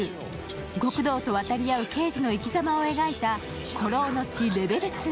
極道と渡り合う刑事の生き様を描いた「孤狼の血ＬＥＶＥＬ２」。